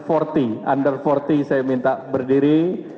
under empat puluh saya minta berdiri